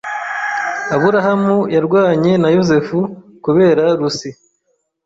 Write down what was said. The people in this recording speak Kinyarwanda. Aburahamu yarwanye na Yozefu kubera Lucy.